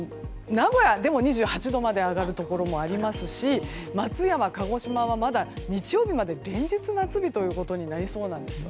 名古屋でも２８度まで上がるところがありますし松山、鹿児島は日曜日まで連日、夏日となりそうです。